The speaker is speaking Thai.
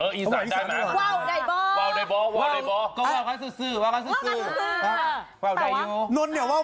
เอออีสานได้มาก